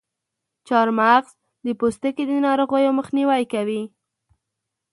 چارمغز د پوستکي د ناروغیو مخنیوی کوي.